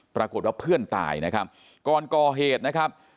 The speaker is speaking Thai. ปรากฏว่าเพื่อนตายนะครับก่อนก่อเหตุนะครับ